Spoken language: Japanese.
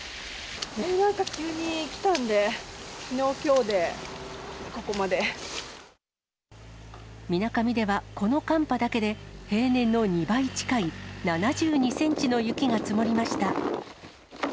なんか急に来たんで、きのう、みなかみでは、この寒波だけで平年の２倍近い７２センチの雪が積もりました。